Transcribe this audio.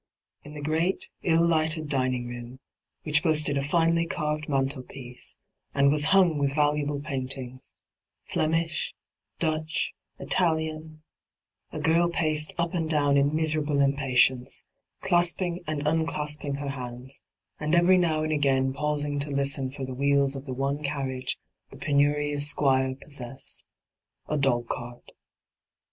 In the great, ill lighted dining room, which boasted a finely carved mantelpiece, and was 5 nyt,, 6^hyG00glc 6 ENTRAPPED huDg with valuable paintingB — Flemish, Dutch, Italian — a girl paced up and down in miserable impatienoe, olasping and unclasping her hands* and every now and again pausing to listen for the wheels of the one carriage the penurious Squire possessed — a dogcart.